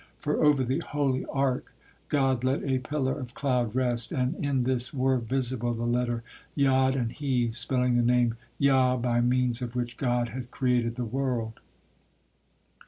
For, over the Holy Ark, God let a pillar of cloud rest, and in this were visible the letter Yod and He, spelling the name Yah, by means of which God had created the world.